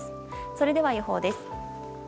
それでは予報です。